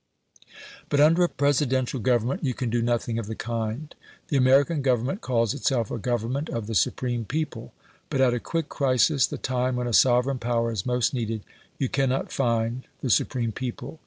But under a Presidential government you can do nothing of the kind. The American Government calls itself a Government of the supreme people; but at a quick crisis, the time when a sovereign power is most needed, you cannot FIND the supreme people.